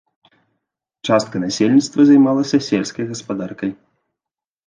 Частка насельніцтва займалася сельскай гаспадаркай.